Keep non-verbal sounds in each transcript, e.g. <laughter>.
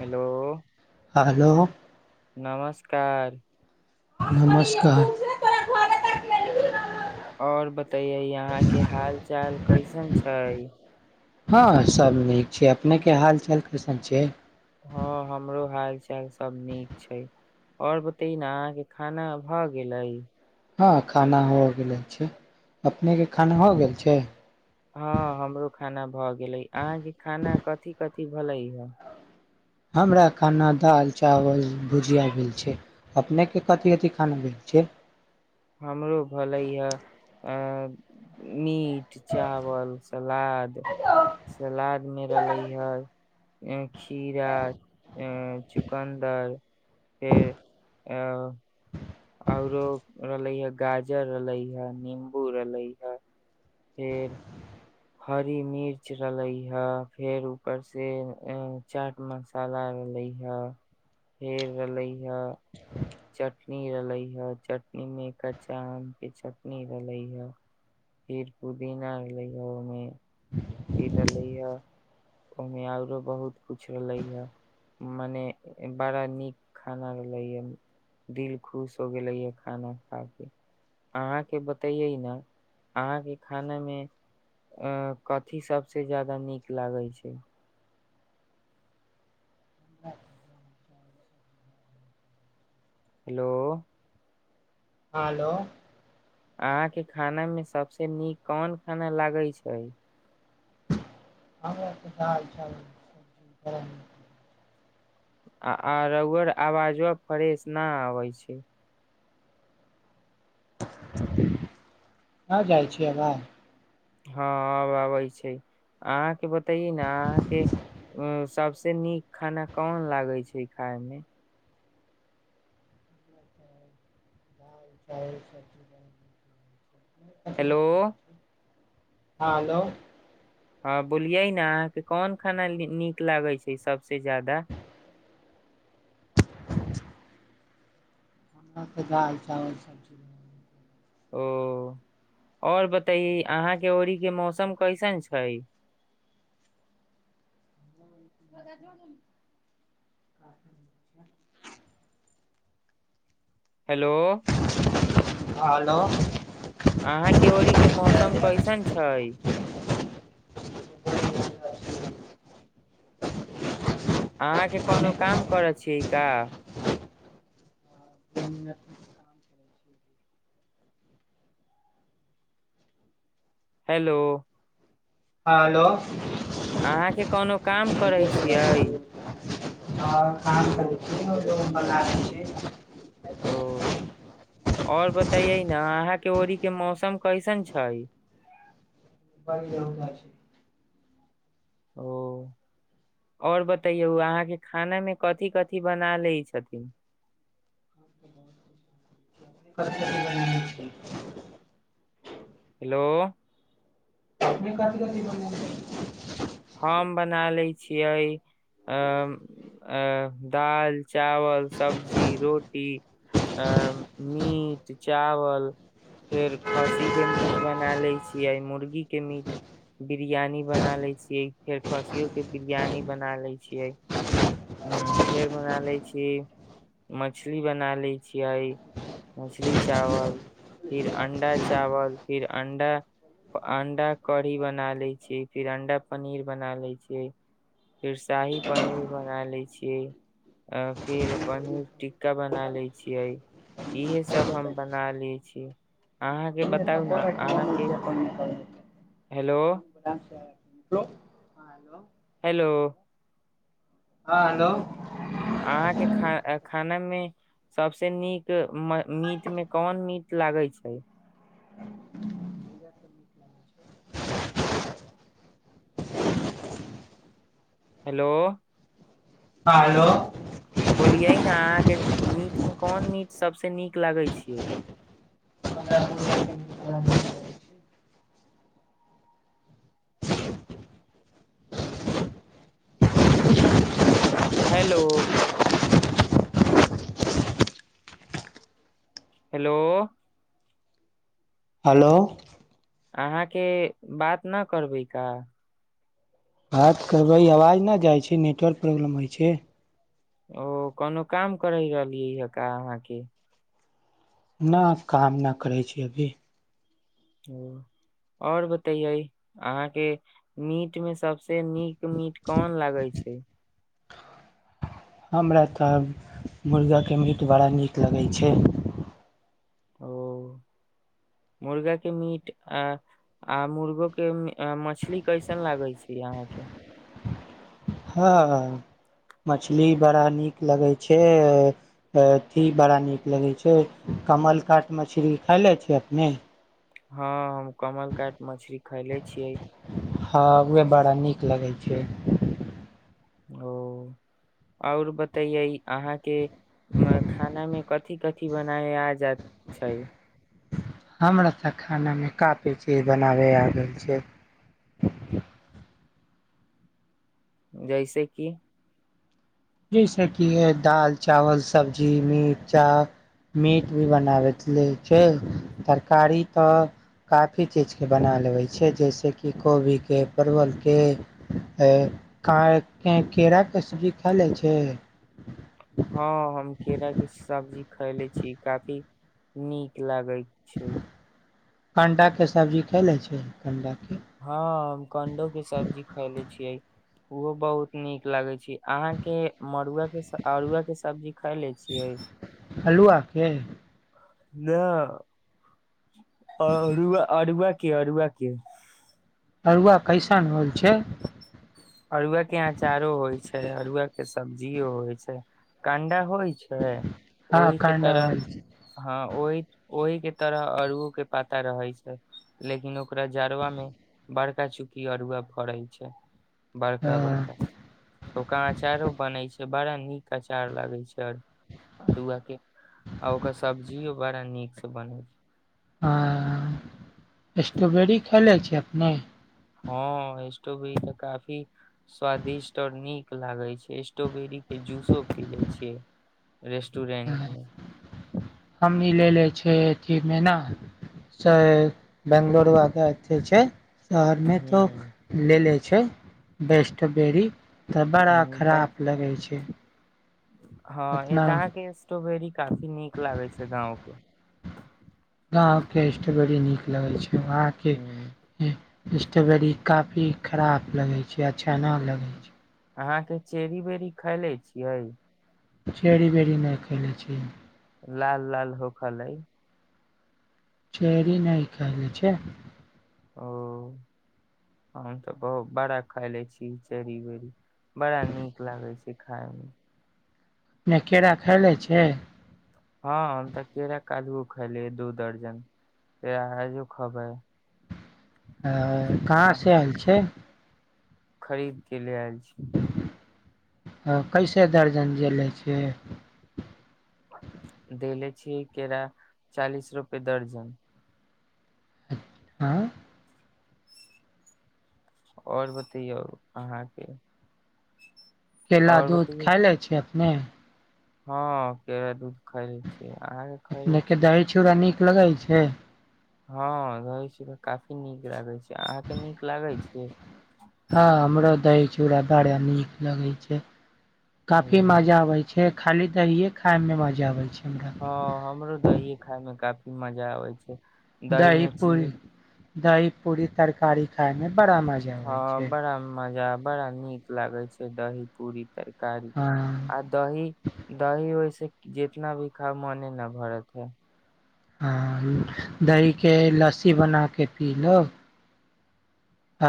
Hello hello काइल नमस्कार और बतैये यहाँ के हाल चाल कैसन छै हँ सब नीक छै अपने के हाल चाल कैसन छियै हँ हमरो हाल चाल सब नीक छै आओर बतेय न अहाँके खाना भ गेलै हँ खाना हो गेल छै अपनेके खाना हो गेल छै हँ हमरो खाना भऽ गेलै अहाँके खाना कथि कथि भलै हे हमरा खाना दाल चावल भुजिया भेल छै अपनेके कथि कथि खाना भेल छै। हमरो भलै य मी मीट चावल सलाद सलाद मे रहले हे ह खीरा चुकन्दर के-अ आओरो रहले हेय गाजर रहलै हेय निम्बू रहलै हेय के हरी मिर्च रहलै हेय फेर उपरसँ चाट मसाला रहलै हेय फेर रहलै हेय चटनी रहलै हेय चटनी मे कच्चा आम के चटनी रहलै हेय फिर पुदीना भलै ओमे फिर रहलै हेय ओहिमे आओरो बहुत कुछ रहलै हेय मने बड़ा नीक खाना रहलैए दिल खुश हो गेलैए खाना खा कऽ अहाँके बतैयै ने अहाँके खानामे अ कथि सबसे ज्यादा नीक लागे छै हेलो हाँ हेलो अहाँके खाना मे सभसे नीक कोन खाना लागै छै हमरा तऽ दाल चावल <unintelligible> आ-आ रौआ र आवाजो फ्रेश न आबै छै न जाइ छै आवाज हँ आब अबै छै अहाँके बतयै ने अहाँके सभसँ नीक खाना कोन लागै छै खाइमे <unintelligible> हेलो हँ हेलो हँ बोलियै ने अहाँके कोन खाना नीक लागै छै सभसँ ज्यादा <inaudible> हम तऽ दाल चावल सब्जी ओ-आओर बतइयै अहाँके ओड़ीक के मौसम कैसन छै <inaudible> हेलो हाँ हेलो अहाँके ओरीके मौसम कैसन छै हेलो अहाँके कोनो काम करै छियै का <unintelligible> हेलो हँ हेलो अहाँके कोनो काम करै छियै आओर काम करै छियै बना दै छियै ओ-आओर बताइयै ने अहाँके ओरि के मौसम कैसन छै <unintelligible> ओ-आओर बतैयौ अहाँके खानामे कथि कथि बना लै छथिन <unintelligible> हेलो अपने कथि कथि बनेलियै हम बना लै छियै अ-अ-दाल चावल सब्जी रोटी ए-मीट चावल फेर खस्सी के मीट बना लै छियै मुर्गी के मीट बिरयानी बना लै छी फेर खसियो के बिरियानी बना लै छियै हूँ फेर बना लै छी मछली बना ली छियै मछली चावल फिर अंडा चावल फिर अंडा अंडा कढ़ी बना ले छी फिर अंडा बना ले छिय फिर शाही पनीर बना ले छियै फिर पनीरट का बना ले छियै इहे सभ हम बना ले छीयै <unintelligible> हेलो कोन काम छै हेलो ह हेलो हेलो हँ हेलो अहाँके खा खानामे सबस नीक मीट मे कोन मीट लागै छै <inaudible> हेलो हँ हेलो मीटमे कोन मीट सभसँ नीक लगै छैै <inaudible> हेलो हेलो हलो अहाके बात ना करबै का। बात करबै आवाज नहि जाइ छै, नेटवर्क प्रॉब्लम होइ छै। ओ कोनो काम करहि रहलियैही का अहाके। नहि काम नहि करै छी अभी। ओ आओर बतैये अहाके मीट मे सब से नीक मीट कोन लागे छै। हमरा तऽ मुर्गाके मीट बड़ा नीक लगै छै। ओ मुर्गाके मीट, आ आ मुर्गोके अ मछली कैसन लागै छै अहाके। ह मछली बड़ा नीक लगै छै, अथि बड़ा नीक लगै छै, कमल काट मछली खाय ले छै अपने ह हम कमल काट मछरी खैले छियै। हँ उहे बड़ा नीक लगै छै। ओ आओर बतैयै अहाके <unintelligible> खानामे कथि कथि बनाय आय जा छै। हमरा सभ खानामे काफी चीज बनाबै आ गेल छै। जइसे कि जैसेकि यह दालि, चावल, सब्जी, मीट, चा, मीट भी बनाबैत रहे छै, तरकारी तऽ काफी चीजके बना लेबै छै जैसेकि कोबीके, परवलके, ए <unintelligible> केराके सब्जी खालै छै। ह हम केराके सब्जी खैले छी, काफी नीक लागै छै। अंडा के सब्जी खेले छै, कंडा ह हम कण्डोके सब्जी खयले छियै। ओहो बहुत नीक लागे छै। अहाके मड़ुआ के, अड़ुआ के सब्जी खायले छियै। अल्हुआके नहि अरुआ अरुआ के, अरुआ के अरुआ कैसन होइ छै। अरुआ के अचारो होइ छै, अरुआ के सब्जियो होइ छै, कंडा होइ छै हँ ओहि के कंडा होल तरह, छै ह ओहि ओहि के तरह अड़ुओ के पाता रहे छै, लेकिन ओकरा जड़वा में बड़का चूकी अरुआ फरै छै। बड़का बड़का ओका अचारो बनै छै। बड़ा नीक अचार लागे छै और अरुआ के आ ओकर सब्जियो बड़ा नीक से बनै छै। ह स्ट्रोबेरी खेले छीये अपने। ह स्ट्रोबेरी तऽ काफी स्वादिष्ट और नीक लागे छै, स्ट्रोबेरी के जूसो पीले छिये। ह हम मिलेेले छै। की मेना से बंगलोरुआके <unintelligible> छै। शहरमे तो ह लेले छै बेस्टबेरी तऽ बड़ा खराब लगै छै हँ य उतना तऽ अहाँके स्ट्रोबेरी काफी नीक लागे छै गाँव के अप नहि होइ छै अहाँके ह स्ट्रोबेरी काफी खराब लगे छै कि अच्छा नहि लगै छै अहाँ के चेरी बेरी खायले छियै चेड़ी बेड़ी नहि खयले छी लाल लाल होख लइ चेरी नहि कहै छै ओ हम तऽ बहुत बड़ा खाय ले छी चेरी बेरी बड़ा नीक लागै छै हँ नहि केरा खायले छै हँ हम तऽ केरा काल्हू खैलिय दू दर्जन तरा आयो खबै ह कहाँ आ से आयल छै खरीद के ल आय अ ह कैसे दर्जन देलै छियै देले छीय केरा चालीस रुपे दर्जन आँ आओर बतैयो अहाँके केेल और दूध बतैयौ खायइ ले छी नहि हँ केरा दूध खैले छियै अहाँके खैले छिय लगइ छै हँ रहै छी काफी नीक लागे छै से अहाँके नीक लागै छै ओरा बड़ा नीक लगै छै काफी हम्म। मजा आबै छै खाली दहिए खाइमे मजा आबै छै हमरा हँ हमरो दहिए खाइमे काफी मजा आबै छै दही मिर्ची मिल दही पूरी तरकारी खाायमे बड़ा मजा आबै हँ छै बड़ा मजा बड़ा निक लागे छै दही पूड़ी तर कारी हँ आ दही दही ओहिस जितना भी खाव मोने न भरत है हँ दही के लस्सी बना क पी लो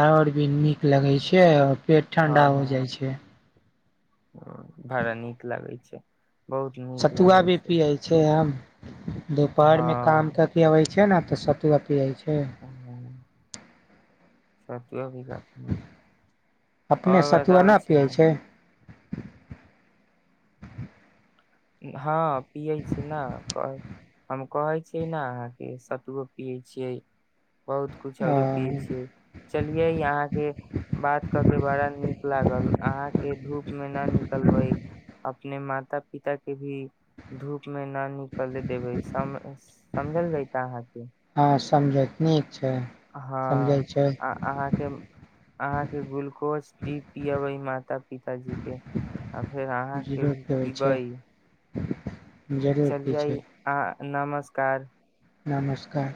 आ आओर भी नीक लगै छै आओर पेट ठण्डा हो जाइ छै भाड़ा नीक लागै छै बहुत नीक सतुआ लागे भी पियै छै आब ह दुपहर मे काम हँ कर के अबै छै ने तऽ सतुआ पीअइ छै त अभी क अपने अर सतुआ बताबै न छै पियै हँ पियै छिय ने हम कहै छियै ने अहाँके सतुओ पियै छियै बहुत कछ आरो पियै अ छियै चलियै अहाँके बात क के बड़ा नीक लागल अहाँके धूप मे न निकलबै अपने माता प पिता के भी धूप में ना निकल देबे सम समझल जयता अहाँ के हँ समझत न हँ आ अहाँके अहाँके ग्लूकोज डी पियबै माता-पिताजी के फेर अहाँके जरूरत भी त होइ छै पीबै जरूर कि चलियै छै आ नमस्कार नमस्कार